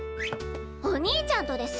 お兄ちゃんとです！